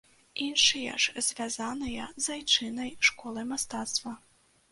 Іншыя ж звязаныя з айчыннай школай мастацтва.